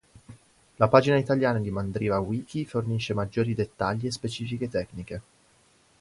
La pagina italiana di Mandriva Wiki fornisce maggiori dettagli e specifiche tecniche.